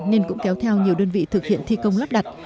nên cũng kéo theo nhiều đơn vị thực hiện thi công lắp đặt